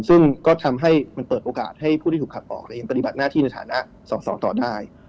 ซึ่งก็ทำให้มันเปิดโอกาสให้ผู้ที่ถูกขับออกยังปฏิบัติหน้าที่ในฐานะสอสอต่อได้